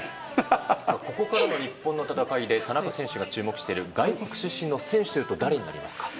ここからの日本の戦いで田中選手が注目している外国出身の選手というと誰になりますか？